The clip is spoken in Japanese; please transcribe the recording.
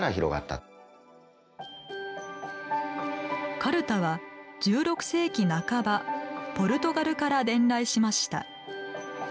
かるたは１６世紀半ばポルトガルから伝来しました。